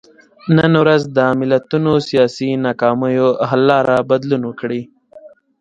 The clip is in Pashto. نن ورځ د ملتونو سیاسي ناکامیو حل لاره بدلون وکړي.